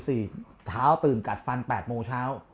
เท้าตื่นกัดฟัน๘โมงเช้า